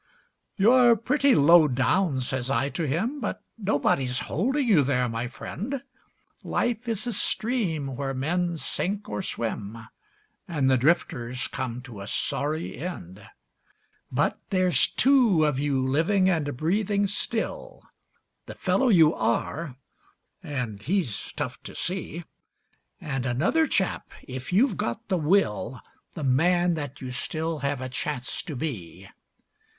"You're pretty low down," says I to him, "But nobody's holding you there, my friend. Life is a stream where men sink or swim, And the drifters come to a sorry end; But there's two of you living and breathing still The fellow you are, and he's tough to see, And another chap, if you've got the will, The man that you still have a chance to be."